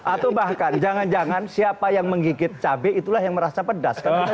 atau bahkan jangan jangan siapa yang menggigit cabai itulah yang merasa pedas